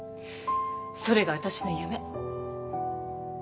それが私の夢。